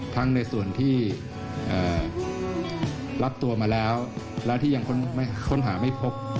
ทั้งในส่วนที่รับตัวมาแล้วแล้วที่ยังค้นหาไม่พบ